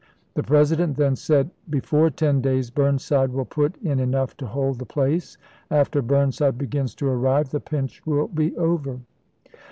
The President then said :" Be jges, fore ten days Burnside will put in enough to hold the place. .. After Burnside begins to arrive the pinch will be over."